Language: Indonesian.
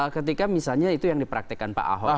ketika misalnya itu yang dipraktekkan pak ahok